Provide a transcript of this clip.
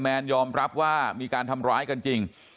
แนนยอมรับว่ามีการทำร้ายกันจริง